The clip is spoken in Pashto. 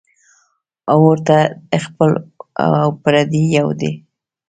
اور ته خپل او پردي یو دي